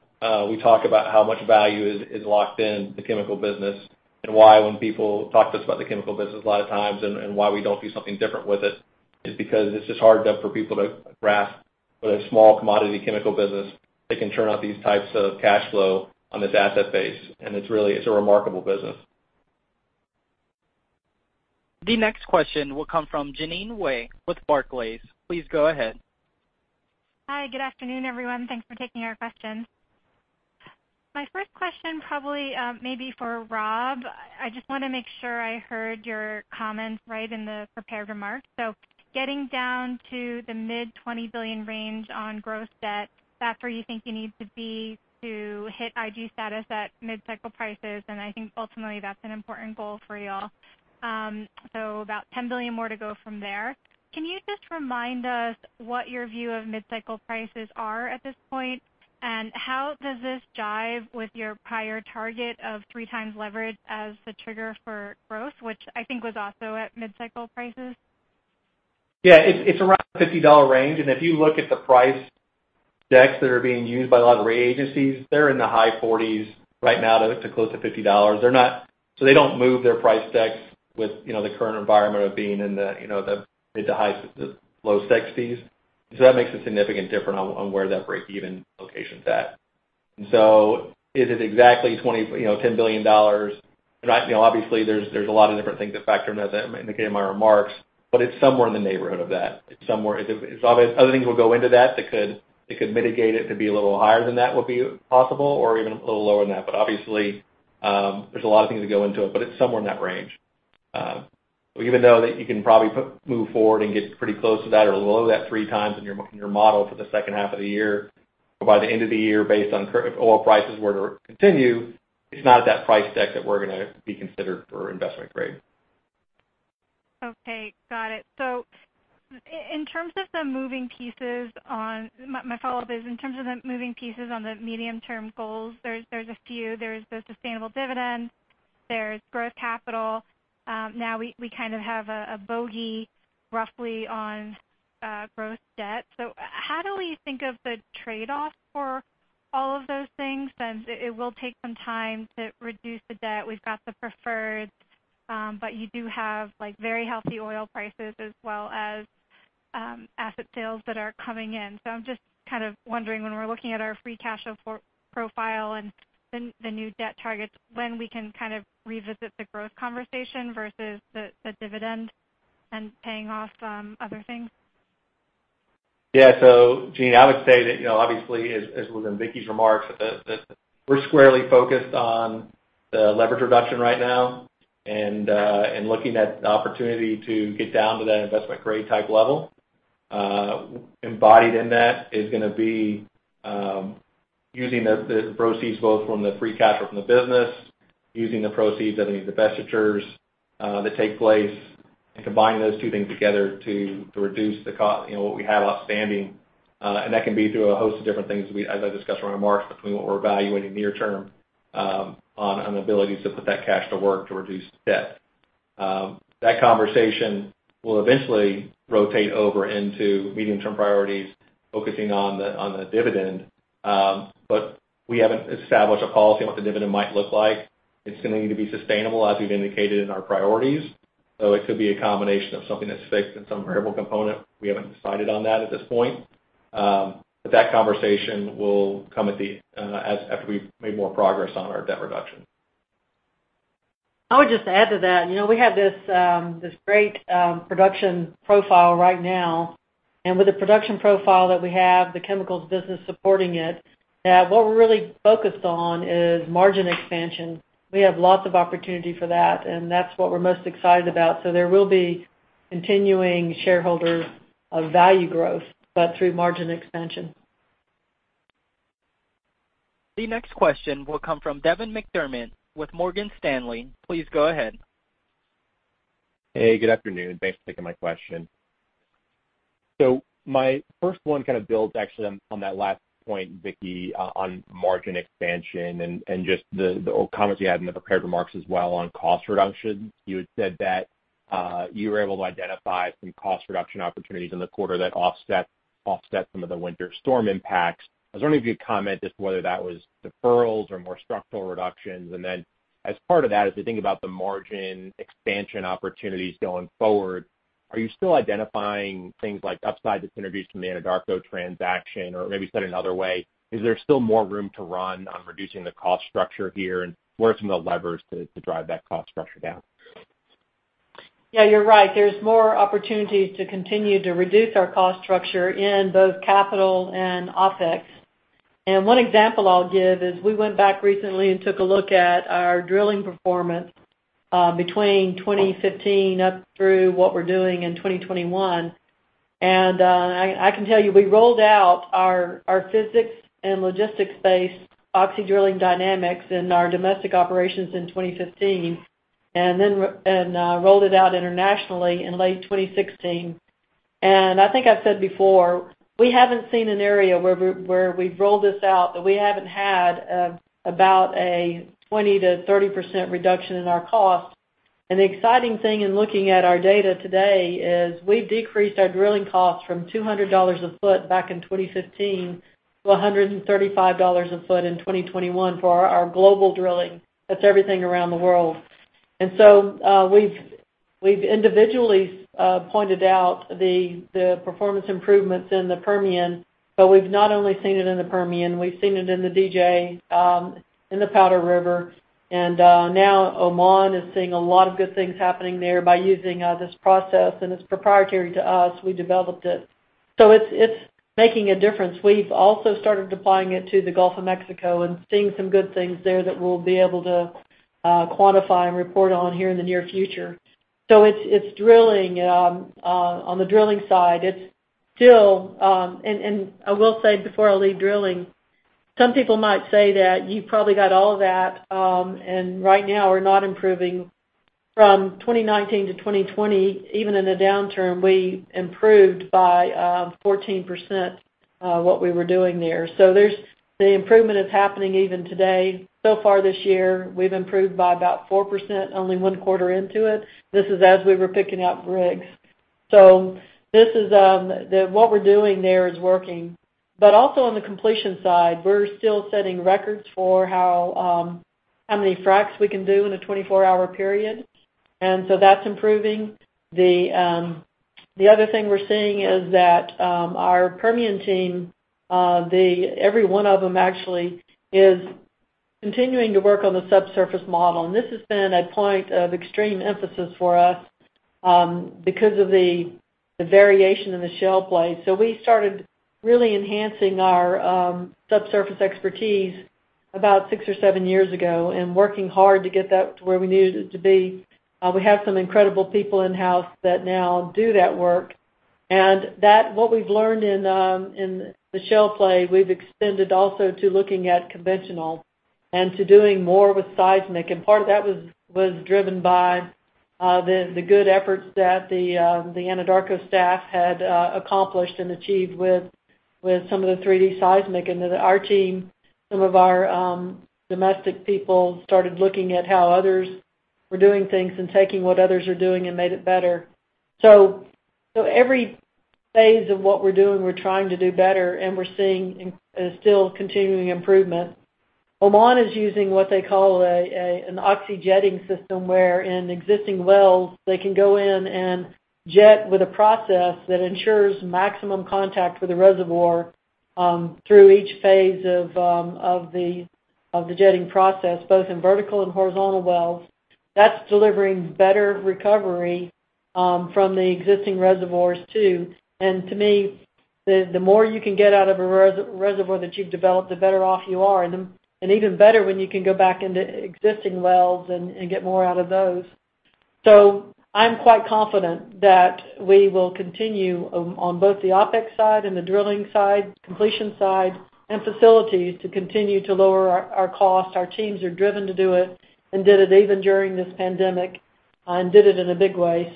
we talk about how much value is locked in the chemical business and why when people talk to us about the chemical business a lot of times and why we don't do something different with it, is because it's just hard for people to grasp that a small commodity chemical business that can turn out these types of cash flow on this asset base. It's really a remarkable business. The next question will come from Jeanine Wai with Barclays. Please go ahead. Hi, good afternoon, everyone. Thanks for taking our questions. My first question probably may be for Rob. I just want to make sure I heard your comments right in the prepared remarks. Getting down to the mid $20 billion range on gross debt, that's where you think you need to be to hit IG status at mid-cycle prices, and I think ultimately, that's an important goal for you all. About $10 billion more to go from there. Can you just remind us what your view of mid-cycle prices are at this point? How does this jive with your prior target of three times leverage as the trigger for growth, which I think was also at mid-cycle prices? Yeah. It's around the $50 a barrel range. If you look at the price decks that are being used by a lot of the rating agencies, they're in the high 40s right now to close to $50 a barrel. They don't move their price decks with the current environment of being in the mid to high, low 60s. That makes a significant difference on where that breakeven location's at. Is it exactly $10 billion? Obviously, there's a lot of different things that factor into that I indicated in my remarks, but it's somewhere in the neighborhood of that. Other things will go into that could mitigate it to be a little higher than that would be possible, or even a little lower than that. Obviously, there's a lot of things that go into it, but it's somewhere in that range. Even though you can probably move forward and get pretty close to that or a little below that three times in your model for the second half of the year, by the end of the year, based on if oil prices were to continue, it's not at that price deck that we're going to be considered for investment grade. Okay, got it. My follow-up is in terms of the moving pieces on the medium-term goals, there's a few. There's the sustainable dividend, there's growth capital. Now we kind of have a bogey roughly on gross debt. How do we think of the trade-off for all of those things, since it will take some time to reduce the debt? We've got the preferred, you do have very healthy oil prices as well as asset sales that are coming in. I'm just kind of wondering when we're looking at our free cash flow profile and the new debt targets, when we can kind of revisit the growth conversation versus the dividend and paying off other things. Jeanine, I would say that obviously, as was in Vicki's remarks, that we're squarely focused on the leverage reduction right now and looking at the opportunity to get down to that investment grade type level. Embodied in that is going to be using the proceeds both from the free cash flow from the business, using the proceeds of any divestitures that take place, and combining those two things together to reduce what we have outstanding. That can be through a host of different things, as I discussed in my remarks, between what we're evaluating near term on the abilities to put that cash to work to reduce debt. That conversation will eventually rotate over into medium-term priorities, focusing on the dividend. We haven't established a policy on what the dividend might look like. It's going to need to be sustainable, as we've indicated in our priorities. It could be a combination of something that's fixed and some variable component. We haven't decided on that at this point. That conversation will come after we've made more progress on our debt reduction. I would just add to that, we have this great production profile right now, and with the production profile that we have, the chemicals business supporting it, that what we're really focused on is margin expansion. We have lots of opportunity for that, and that's what we're most excited about. There will be continuing shareholder value growth, but through margin expansion. The next question will come from Devin McDermott with Morgan Stanley. Please go ahead. Hey, good afternoon. Thanks for taking my question. My first one kind of builds actually on that last point, Vicki, on margin expansion and just the comments you had in the prepared remarks as well on cost reduction. You had said that you were able to identify some cost reduction opportunities in the quarter that offset some of the winter storm impacts. I was wondering if you could comment just whether that was deferrals or more structural reductions. As part of that, as we think about the margin expansion opportunities going forward. Are you still identifying things like upside that's introduced from the Anadarko transaction? Or maybe said another way, is there still more room to run on reducing the cost structure here, and where are some of the levers to drive that cost structure down? Yeah, you're right. There's more opportunities to continue to reduce our cost structure in both capital and OpEx. One example I'll give is we went back recently and took a look at our drilling performance, between 2015 up through what we're doing in 2021. I can tell you, we rolled out our physics-based Oxy Drilling Dynamics in our domestic operations in 2015, and rolled it out internationally in late 2016. I think I've said before, we haven't seen an area where we've rolled this out that we haven't had about a 20%-30% reduction in our cost. The exciting thing in looking at our data today is we've decreased our drilling costs from $200 a foot back in 2015 to $135 a foot in 2021 for our global drilling. That's everything around the world. We've individually pointed out the performance improvements in the Permian, but we've not only seen it in the Permian, we've seen it in the DJ, in the Powder River, and now Oman is seeing a lot of good things happening there by using this process, and it's proprietary to us, we developed it. It's making a difference. We've also started applying it to the Gulf of Mexico and seeing some good things there that we'll be able to quantify and report on here in the near future. It's drilling, on the drilling side. I will say before I leave drilling, some people might say that you've probably got all of that, and right now we're not improving. From 2019-2020, even in a downturn, we improved by 14% what we were doing there. The improvement is happening even today. Far this year, we've improved by about 4%, only one quarter into it. This is as we were picking up rigs. Also on the completion side, we're still setting records for how many fracs we can do in a 24-hour period, and that's improving. The other thing we're seeing is that our Permian team, every one of them actually, is continuing to work on the subsurface model. This has been a point of extreme emphasis for us, because of the variation in the shale play. We started really enhancing our subsurface expertise about six or seven years ago and working hard to get that to where we needed it to be. We have some incredible people in-house that now do that work. What we've learned in the shale play, we've extended also to looking at conventional and to doing more with seismic. Part of that was driven by the good efforts that the Anadarko staff had accomplished and achieved with some of the 3D seismic. Our team, some of our domestic people, started looking at how others were doing things and taking what others are doing and made it better. Every phase of what we're doing, we're trying to do better, and we're seeing still continuing improvement. Oman is using what they call an Oxy Jetting System, where in existing wells they can go in and jet with a process that ensures maximum contact with the reservoir, through each phase of the jetting process, both in vertical and horizontal wells. That's delivering better recovery from the existing reservoirs, too. To me, the more you can get out of a reservoir that you've developed, the better off you are. Even better when you can go back into existing wells and get more out of those. I'm quite confident that we will continue on both the OpEx side and the drilling side, completion side, and facilities to continue to lower our cost. Our teams are driven to do it and did it even during this pandemic and did it in a big way.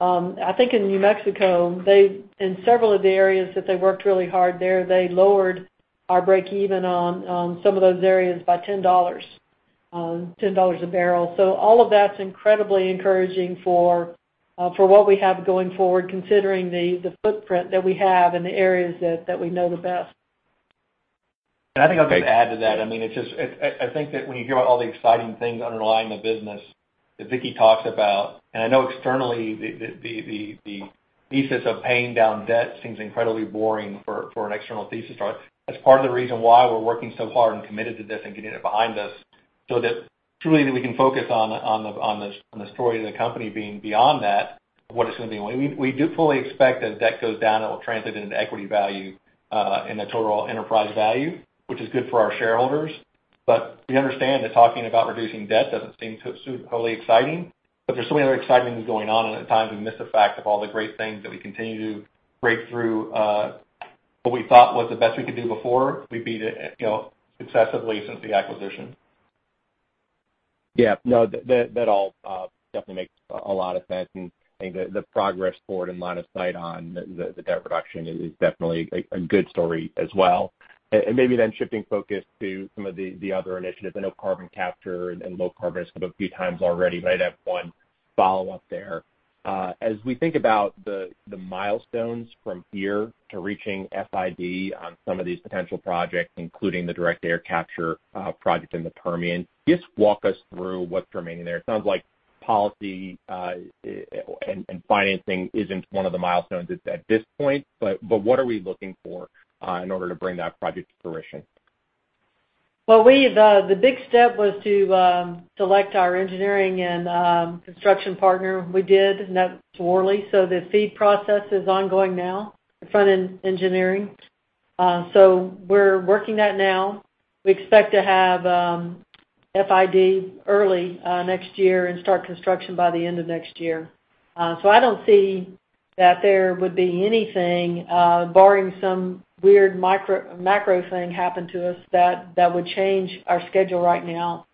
I think in New Mexico, in several of the areas that they worked really hard there, they lowered our breakeven on some of those areas by $10 a barrel. All of that's incredibly encouraging for what we have going forward, considering the footprint that we have in the areas that we know the best. I think I'll just add to that. I think that when you hear all the exciting things underlying the business that Vicki talks about, and I know externally, the thesis of paying down debt seems incredibly boring for an external thesis, right? That's part of the reason why we're working so hard and committed to this and getting it behind us, so that truly we can focus on the story of the company being beyond that, what it's going to be. We do fully expect as debt goes down, it will translate into equity value, and the total enterprise value, which is good for our shareholders. We understand that talking about reducing debt doesn't seem totally exciting, but there's so many other exciting things going on, and at times we miss the fact of all the great things that we continue to break through. What we thought was the best we could do before, we beat it successively since the acquisition. Yeah. No, that all definitely makes a lot of sense. I think the progress forward and line of sight on the debt reduction is definitely a good story as well. Maybe shifting focus to some of the other initiatives. I know carbon capture and low carbon has come up a few times already, but I'd have one follow-up there. As we think about the milestones from here to reaching FID on some of these potential projects, including the direct air capture project in the Permian, just walk us through what's remaining there. It sounds like policy and financing isn't one of the milestones at this point, but what are we looking for in order to bring that project to fruition? The big step was to select our engineering and construction partner. We did, and that's Worley. The FEED process is ongoing now, the front-end engineering. We're working that now. We expect to have FID early next year and start construction by the end of next year. I don't see that there would be anything, barring some weird macro thing happen to us, that would change our schedule right now.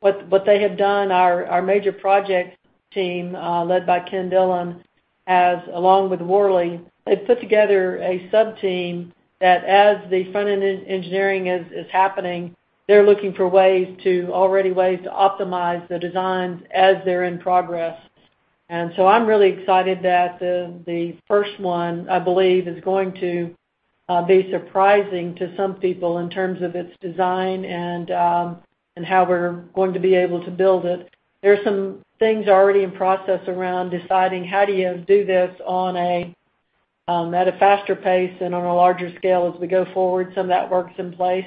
What they have done, our major project team, led by Kenneth Dillon, has, along with Worley, they've put together a subteam that as the front-end engineering is happening, they're looking for ways to optimize the designs as they're in progress. I'm really excited that the first one, I believe, is going to be surprising to some people in terms of its design and how we're going to be able to build it. There are some things already in process around deciding how do you do this at a faster pace and on a larger scale as we go forward. Some of that work's in place.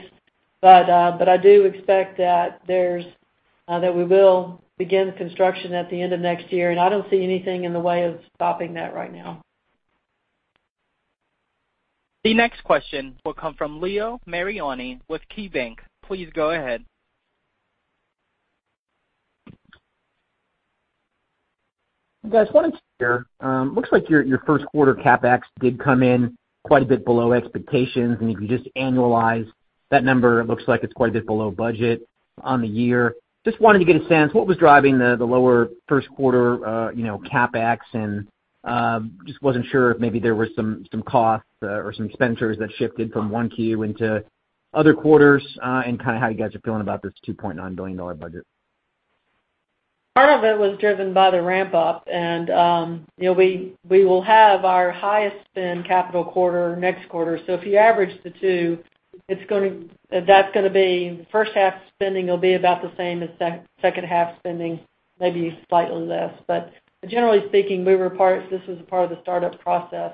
I do expect that we will begin construction at the end of next year, and I don't see anything in the way of stopping that right now. The next question will come from Leo Mariani with KeyBanc. Please go ahead. Guys, looks like your first quarter CapEx did come in quite a bit below expectations. If you just annualize that number, it looks like it's quite a bit below budget on the year. Just wanted to get a sense what was driving the lower first quarter CapEx and just wasn't sure if maybe there were some costs or some expenses that shifted from 1Q into other quarters, and how you guys are feeling about this $2.9 billion budget. Part of it was driven by the ramp-up. We will have our highest spend capital quarter next quarter. If you average the two, that's going to be first half spending will be about the same as second half spending, maybe slightly less. Generally speaking, moving parts, this was a part of the startup process.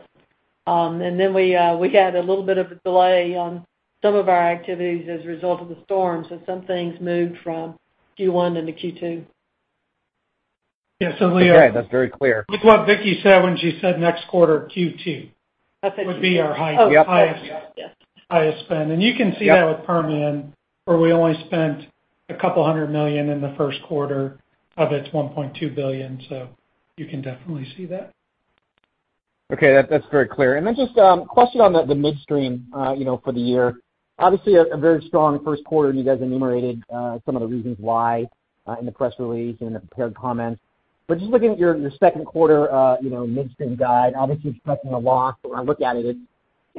We had a little bit of a delay on some of our activities as a result of the storm. Some things moved from Q1 into Q2. Yeah. Okay, that's very clear. Look what Vicki said when she said next quarter, Q2. That's what she said. Would be our highest- Yep. Highest spend. you can see that. Yep with Permian, where we only spent a couple $100 million in the first quarter of its $1.2 billion. You can definitely see that. Okay, that's very clear. Just question on the midstream for the year. Obviously a very strong first quarter, and you guys enumerated some of the reasons why in the press release, in the prepared comments. Just looking at your second quarter midstream guide, obviously expecting a loss, but when I look at it's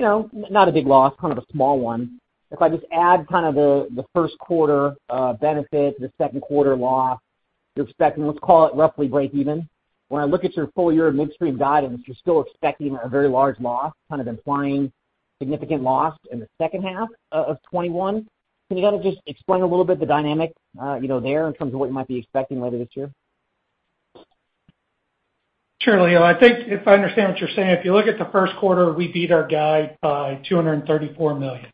not a big loss, kind of a small one. If I just add kind of the first quarter benefit to the second quarter loss, you're expecting, let's call it roughly breakeven. When I look at your full year midstream guidance, you're still expecting a very large loss, kind of implying significant loss in the second half of 2021. Can you kind of just explain a little bit the dynamic there in terms of what you might be expecting later this year? Sure, Leo. I think if I understand what you're saying, if you look at the first quarter, we beat our guide by $234 million,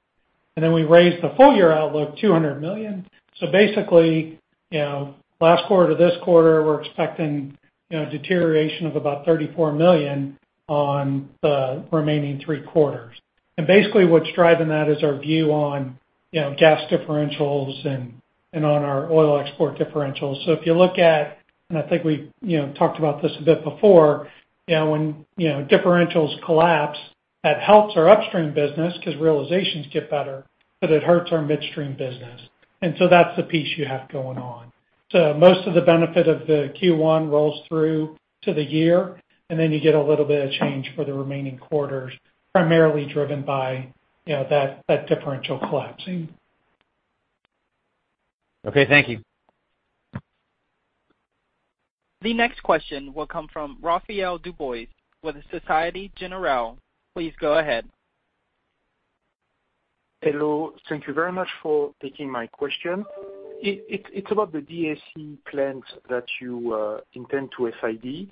we raised the full year outlook $200 million. Basically, last quarter to this quarter, we're expecting deterioration of about $34 million on the remaining three quarters. Basically what's driving that is our view on gas differentials and on our oil export differentials. If you look at, I think we talked about this a bit before, when differentials collapse, that helps our upstream business because realizations get better, but it hurts our midstream business. That's the piece you have going on. Most of the benefit of the Q1 rolls through to the year, and then you get a little bit of change for the remaining quarters, primarily driven by that differential collapsing. Okay, thank you. The next question will come from Raphaël Dubois with Société Générale. Please go ahead. Hello. Thank you very much for taking my question. It's about the DAC plant that you intend to FID.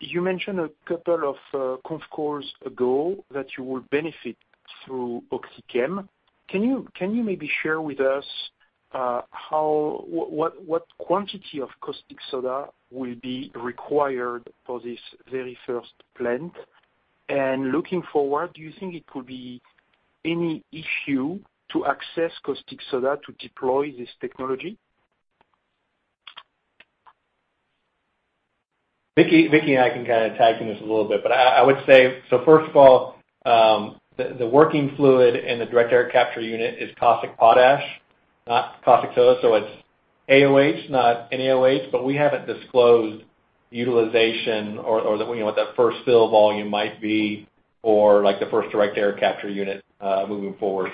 You mentioned a couple of conf calls ago that you will benefit through OxyChem. Can you maybe share with us what quantity of caustic soda will be required for this very first plant? Looking forward, do you think it could be any issue to access caustic soda to deploy this technology? Vicki and I can kind of tag team this a little bit, but I would say, first of all, the working fluid in the direct air capture unit is caustic potash. Not caustic soda, so it's KOH, not NaOH. We haven't disclosed utilization or what that first fill volume might be or the first direct air capture unit moving forward.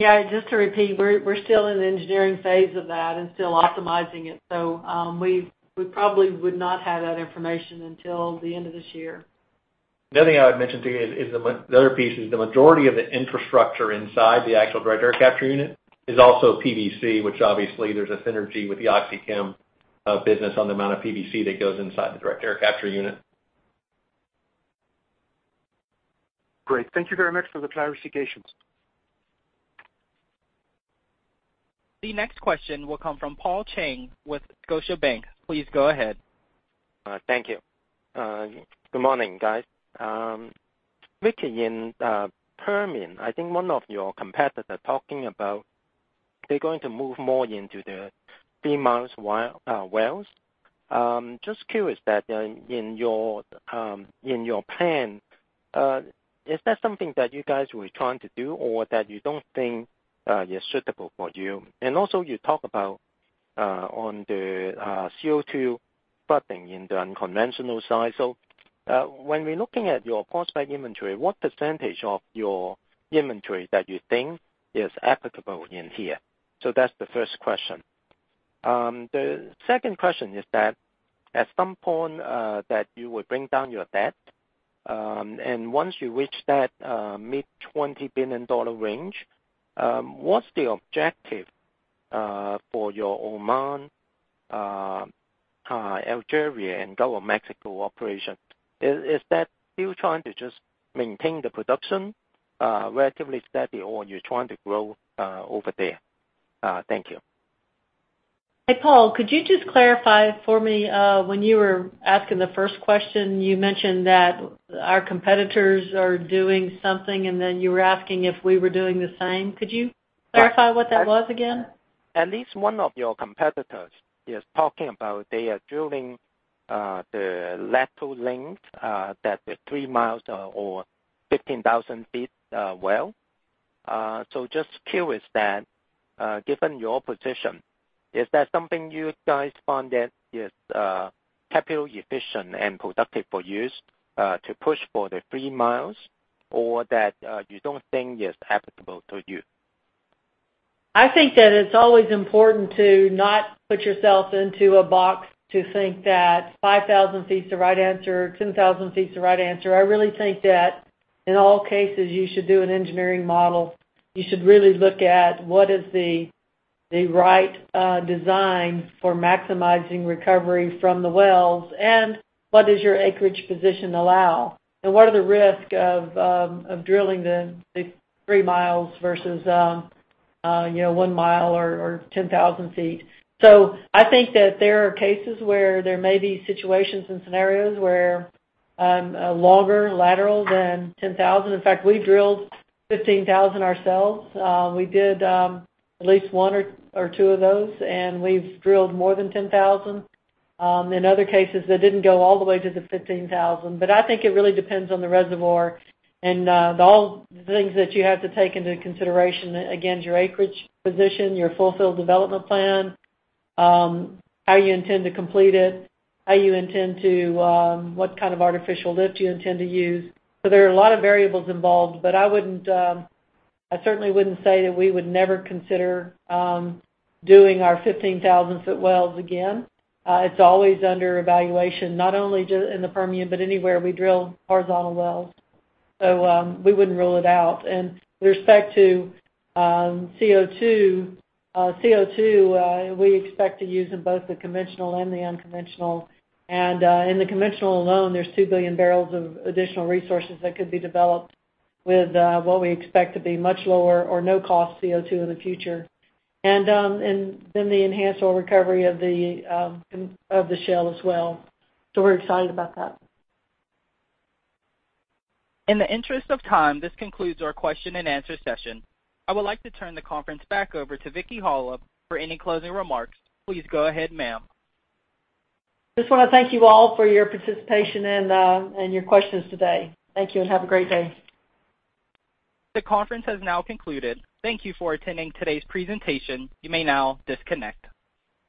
Yeah, just to repeat, we're still in the engineering phase of that and still optimizing it. We probably would not have that information until the end of this year. The other thing I would mention, too, is the other piece is the majority of the infrastructure inside the actual direct air capture unit is also PVC, which obviously there's a synergy with the OxyChem business on the amount of PVC that goes inside the direct air capture unit. Great. Thank you very much for the clarifications. The next question will come from Paul Cheng with Scotiabank. Please go ahead. Thank you. Good morning, guys. Vicki, in Permian, I think one of your competitors are talking about they're going to move more into the three-mile wells. Just curious that in your plan, is that something that you guys were trying to do or that you don't think is suitable for you? Also you talk about on the CO2 flooding in the unconventional side. When we're looking at your prospect inventory, what % of your inventory that you think is applicable in here? That's the first question. The second question is that at some point that you would bring down your debt, and once you reach that mid $20 billion range, what's the objective for your Oman, Algeria, and Gulf of Mexico operation? Is that still trying to just maintain the production relatively steady, or you're trying to grow over there? Thank you. Hey, Paul, could you just clarify for me, when you were asking the first question, you mentioned that our competitors are doing something, and then you were asking if we were doing the same. Could you clarify what that was again? At least one of your competitors is talking about they are drilling the lateral length that the three miles or 15,000 ft well. Just curious that, given your position, is that something you guys found that is capital efficient and productive for you to push for the three miles, or that you don't think is applicable to you? I think that it's always important to not put yourself into a box to think that 5,000 ft is the right answer, 10,000 ft is the right answer. I really think that in all cases you should do an engineering model. You should really look at what is the right design for maximizing recovery from the wells, and what does your acreage position allow? What are the risk of drilling the 3 mi versus 1 mi or 10,000 ft? I think that there are cases where there may be situations and scenarios where a longer lateral than 10,000 ft. In fact, we've drilled 15,000 ft ourselves. We did at least one or two of those, and we've drilled more than 10,000 ft. In other cases, they didn't go all the way to the 15,000 ft. I think it really depends on the reservoir and all the things that you have to take into consideration. Again, your acreage position, your full field development plan how you intend to complete it, what kind of artificial lift you intend to use. There are a lot of variables involved, but I certainly wouldn't say that we would never consider doing our 15,000 ft wells again. It's always under evaluation, not only in the Permian, but anywhere we drill horizontal wells. We wouldn't rule it out. With respect to CO2, we expect to use in both the conventional and the unconventional. In the conventional alone, there's 2 billion bbl of additional resources that could be developed with what we expect to be much lower or no-cost CO2 in the future. The enhanced oil recovery of the shale as well. We're excited about that. In the interest of time, this concludes our question-and-answer session. I would like to turn the conference back over to Vicki Hollub for any closing remarks. Please go ahead, ma'am. Just want to thank you all for your participation and your questions today. Thank you, and have a great day. The conference has now concluded. Thank you for attending today's presentation. You may now disconnect.